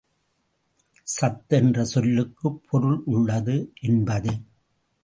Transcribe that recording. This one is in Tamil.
சத் என்ற சொல்லுக்குப் பொருள் உள்ளது என்பது.